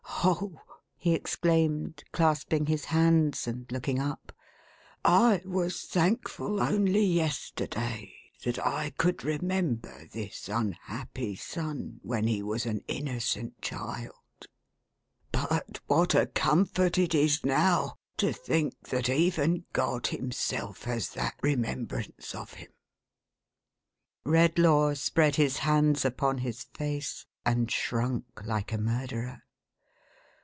Oh !" he exclaimed, clasping his hands and looking up, " I was thankful, only yesterday, that I could remember this unhappy son when he was an innocent child. But what a comfort it THE OLD MAN'S SUPPLICATION. 487 is, now, to think that even God himself has that remem brance of him !" Recllaw spread his hands upon his face, and shrunk like a murderer.